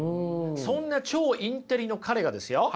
そんな超インテリの彼がですよ